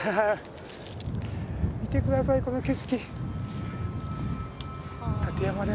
見て下さいこの景色。